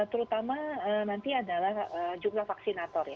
terutama nanti adalah jumlah vaksinator ya